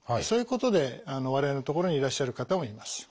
そういうことで我々の所にいらっしゃる方もいます。